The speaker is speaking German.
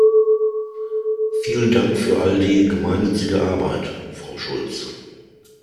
Vielen Dank für all die gemeinnützige Arbeit, Frau Schulz!